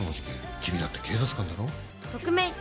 君だって警察官だろ？